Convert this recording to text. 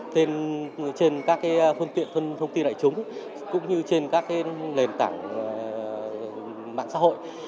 trên các phương tiện thông tin đại chúng cũng như trên các nền tảng mạng xã hội